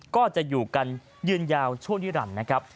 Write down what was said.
ก็จะอยู่กันยืนยาวช่วงนิรันดิ์นะครับ